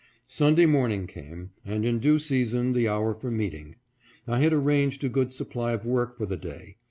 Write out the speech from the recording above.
Sunday morning came, and in due season the hour for meeting. I had arranged a good supply of work for the day.